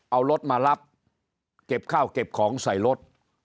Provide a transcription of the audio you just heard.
เอารถมารับเก็บข้าวเก็บของใส่รถ